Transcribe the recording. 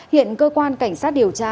hiện cơ quan cảnh sát điều tra